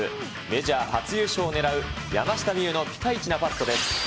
メジャー初優勝をねらう山下美夢有のピカイチなパットです。